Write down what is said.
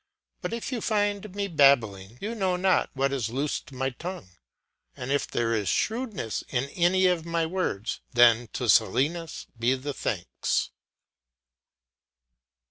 But if you find me babbling, you know now what has loosed my tongue; and if there is shrewdness in any of my words, then to Silenus be the thanks.